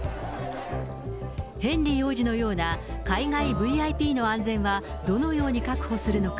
ヘンリー王子のような海外ＶＩＰの安全はどのように確保するのか。